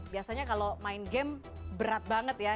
biasanya kalau main game berat banget ya